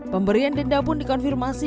pemberian denda pun dikonfirmasi